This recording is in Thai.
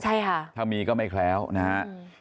ใช่ค่ะถ้ามีก็ไม่แคล้วนะฮะ